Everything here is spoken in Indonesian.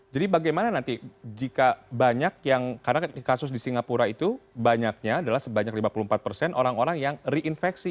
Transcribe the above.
jadi bagaimana nanti jika banyak yang karena kasus di singapura itu banyaknya adalah sebanyak lima puluh empat persen orang orang yang reinfeksi